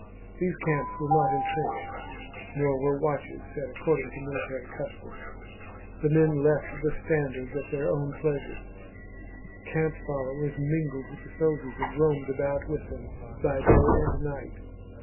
These camps were not entrenched, nor were watches set according to mili tary custom. The men left the standards at their own pleasure ; camp followers mingled with the sol diers and roamed about with them by day and night.